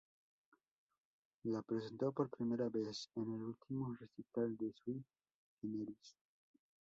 La presentó por primera vez en el último recital de Sui Generis.